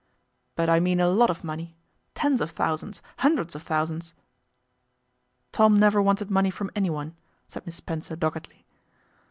'But I mean a lot of money tens of thousands, hundreds of thousands?' 'Tom never wanted money from anyone,' said Miss Spencer doggedly.